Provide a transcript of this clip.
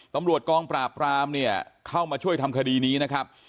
ตำรวจกองปราบรามเนี่ยเข้ามาช่วยทำคดีนี้นะครับ